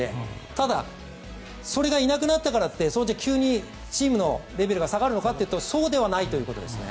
ただそれがいなくなったからといって、チームのレベルが下がるのかっていうとそうではないということですね。